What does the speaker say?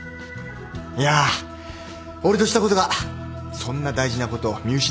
いや俺としたことがそんな大事なことを見失ってたよ。